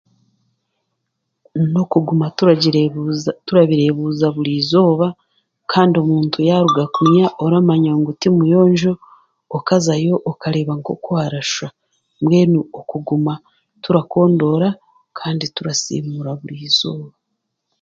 N'okuguma turagireebuza turabireebuza buri eizooba kandi omuntu yaaruga kunia oramanya ngu timuyonjo okazayo okareeba nk'oku harashwa, mbwenu okuguma turakondora kandi turasiimuura buri eizooba.